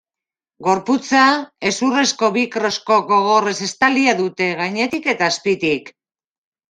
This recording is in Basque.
Gorputza hezurrezko bi krosko gogorrez estalia dute, gainetik eta azpitik.